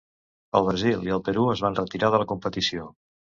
El Brasil i el Perú es van retirar de la competició.